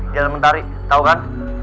di dalam mentari tau kan